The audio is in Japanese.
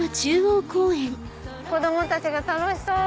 子供たちが楽しそう！